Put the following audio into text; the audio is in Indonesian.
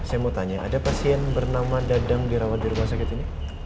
saya mau tanya ada pasien bernama dadang dirawat di rumah sakit ini